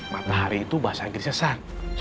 matahari itu bahasa inggris